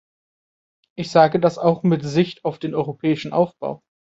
Ich sage das auch mit Sicht auf den europäischen Aufbau.